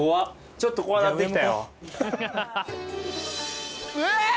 ちょっと怖なってきたようわっ！